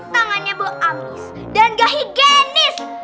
tangannya bau amis dan nggak higienis